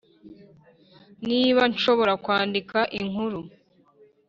niba nshobora kwandika inkuru,